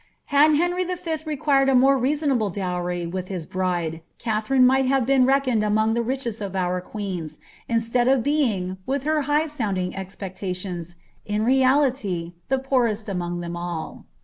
Had Henry V. required a more reason Me dowry with his bride, Katherine might have been reckoned amoag the richest of our queens, instead of being, with all her high sounding expectations, in reality, the poorest among them all.